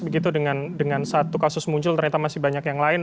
begitu dengan satu kasus muncul ternyata masih banyak yang lain